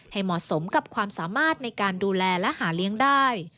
ให้เหมาะสมกับความสามารถในการดูแลและหาเลี้ยงได้